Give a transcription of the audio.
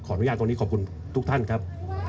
อนุญาตตรงนี้ขอบคุณทุกท่านครับ